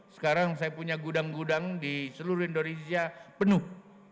sekarang saya punya gudang gudang di seluruh indonesia penuh